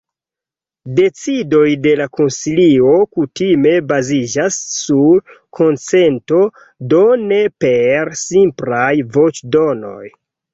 Decidoj de la konsilio kutime baziĝas sur konsento, do ne per simplaj voĉdonoj.